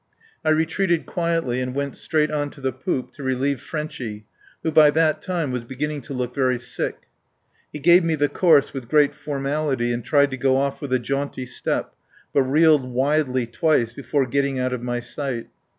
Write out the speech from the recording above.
I retreated quietly and went straight on to the poop to relieve Frenchy, who by that time was beginning to look very sick. He gave me the course with great formality and tried to go off with a jaunty step, but reeled widely twice before getting out of my sight.